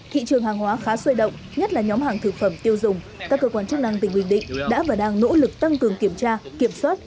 thị trường hàng hóa khá sôi động nhất là nhóm hàng thực phẩm tiêu dùng các cơ quan chức năng tỉnh bình định đã và đang nỗ lực tăng cường kiểm tra kiểm soát